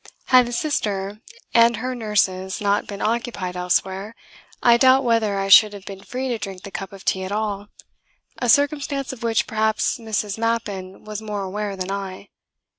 Had the Sister and her nurses not been occupied elsewhere, I doubt whether I should have been free to drink that cup of tea at all a circumstance of which perhaps Mrs. Mappin was more aware than I.